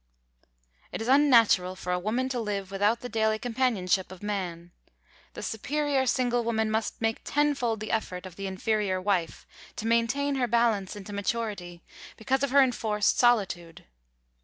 It is unnatural for a woman to live without the daily companionship of man. The superior single woman must make tenfold the effort of the inferior wife, to maintain her balance into maturity, because of her enforced solitude.